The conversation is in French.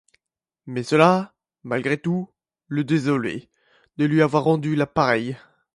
Mais cela, malgré tout, le désolait, de lui avoir rendu la pareille.